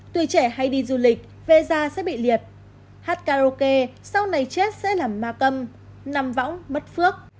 tuổi trẻ hay đi du lịch về ra sẽ bị liệt hát karaoke sau này chết sẽ là ma cầm nằm võng mất phước